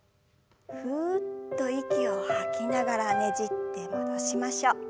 ふっと息を吐きながらねじって戻しましょう。